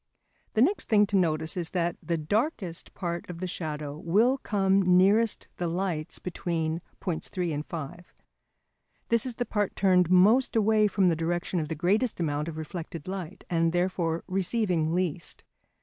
The next thing to notice is that #the darkest part of the shadow will come nearest the lights between points 3 and 5#. This is the part turned most away from the direction of the greatest amount of reflected light, and therefore receiving least.